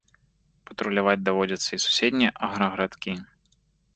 Патруляваць даводзіцца і суседнія аграгарадкі.